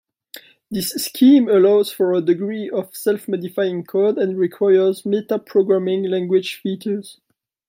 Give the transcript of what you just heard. This scheme allows for a degree of self-modifying code and requires metaprogramming language features.